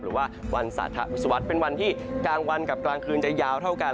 หรือว่าวันสาธุศวรรษเป็นวันที่กลางวันกับกลางคืนจะยาวเท่ากัน